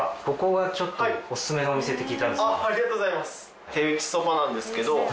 ここがちょっとお薦めのお店と聞いたんですけど。